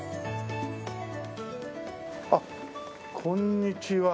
あっこんにちは。